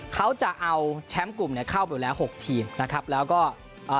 เขาจะเอาแชมป์กลุ่มเนี้ยเข้าไปอยู่แล้วหกทีมนะครับแล้วก็เอ่อ